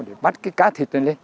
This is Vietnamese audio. để bắt cái cá thịt này lên